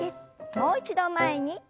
もう一度前に。